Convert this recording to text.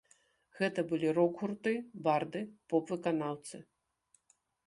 Гэта былі рок-гурты, барды, поп-выканаўцы.